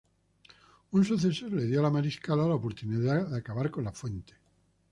Un suceso le dio a la Mariscala la oportunidad de acabar con La Fuente.